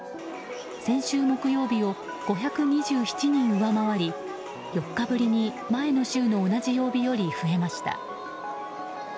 先週木曜日を５２７人上回り４日ぶりに前の週の同じ曜日より増えました。